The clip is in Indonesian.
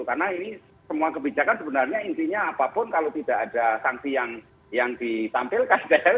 karena ini semua kebijakan sebenarnya intinya apapun kalau tidak ada sanksi yang ditampilkan